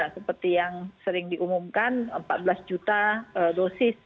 seperti yang sering diumumkan empat belas juta dosis